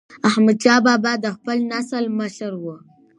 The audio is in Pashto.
احمدشاه بابا د خپل نسل مشر و.